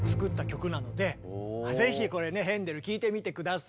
ぜひこれねヘンデル聴いてみて下さい。